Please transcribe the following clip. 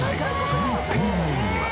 その店内には。